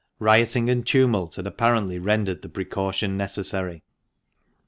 Rioting and tumult had apparently rendered the precaution necessary.